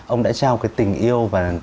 ông đã trao cái tình yêu và